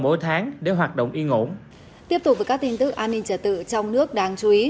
mỗi tháng đều hoạt động yên ổn tiếp tục với các tin tức an ninh trật tự trong nước đáng chú ý